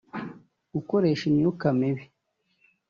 gukoresha imyuka mibi